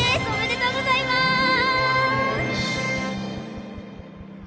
おめでとうございます！